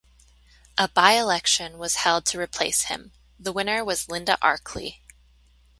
A by-election was held to replace him - the winner was Linda Arkley.